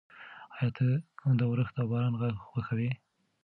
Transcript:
ایا ته د اورښت او باران غږ خوښوې؟